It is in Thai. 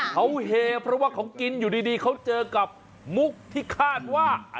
เขาเฮเพราะว่าเขากินอยู่ดีเขาเจอกับมุกที่คาดว่า